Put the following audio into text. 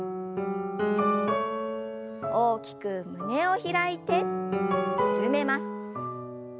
大きく胸を開いて緩めます。